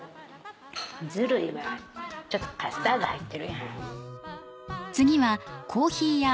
ずるいわちょっとカスタード入ってるやん。